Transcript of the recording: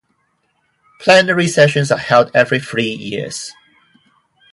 Plenary sessions are held every three years.